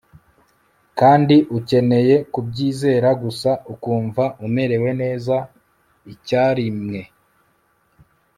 kandi ukeneye kubyizera gusa ukumva umerewe neza icyarimwe